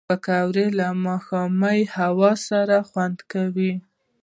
پکورې له ماښامي هوا سره خوند کوي